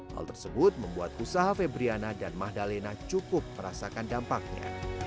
hal tersebut membuat usaha febriana dan mahdalena cukup merasakan dampaknya